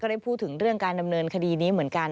ได้พูดถึงเรื่องการดำเนินคดีนี้เหมือนกัน